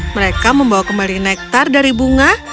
mereka membawa kembali nektar dari bunga